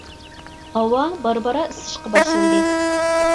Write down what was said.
ھاۋا بارا-بارا ئىسسىشقا باشلىدى.